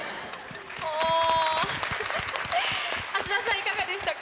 芦田さん、いかがでしたか？